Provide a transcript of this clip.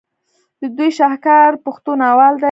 د دوي شاهکار پښتو ناول دے